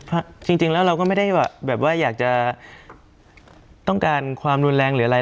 เพราะจริงแล้วเราก็ไม่ได้แบบว่าอยากจะต้องการความรุนแรงหรืออะไร